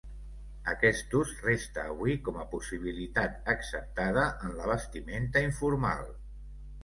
Aquest ús resta avui com a possibilitat acceptada en la vestimenta informal.